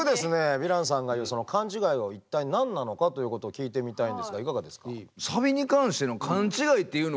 ヴィランさんが言うその勘違いは一体何なのかということを聞いてみたいんですがいかがですか？